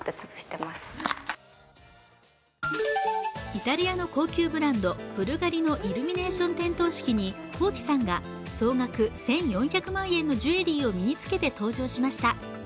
イタリアの高級ブランド、ブルガリのイルミネーション点灯式にｋｏｋｉ，さんが総額１４００万円のジュエリーを身につけて登場しました。